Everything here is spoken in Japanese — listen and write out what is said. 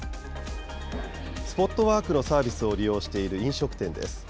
スポットワークのサービスを利用している飲食店です。